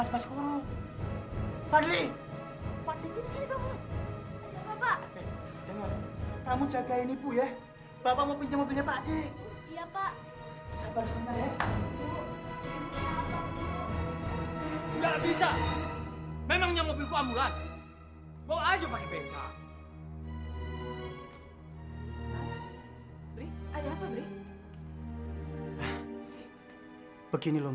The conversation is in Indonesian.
mau beli pinjam pinjam